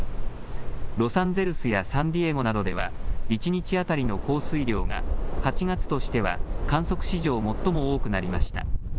ロサンゼルスやサンディエゴなどでは一日当たりの降水量が８月としては観測史上、最も多くなりました。